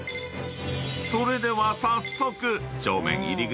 ［それでは早速］